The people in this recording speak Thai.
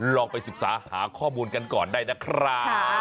ลองไปศึกษาหาข้อมูลกันก่อนได้นะครับ